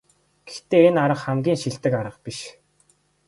Гэхдээ энэ арга хамгийн шилдэг арга биш.